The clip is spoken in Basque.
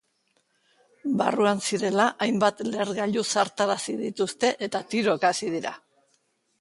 Barruan zirela, hainbat lehergailu zartarazi dituzte eta tiroka hasi dira.